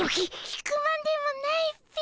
聞くまでもないっピ。